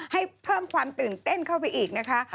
ให้เพิ่มความตื่นเต้นเข้าไปอีกนะคะ